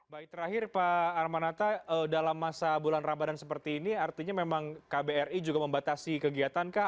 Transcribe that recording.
baik terakhir pak armanata dalam masa bulan ramadan seperti ini artinya memang kbri juga membatasi kegiatan kah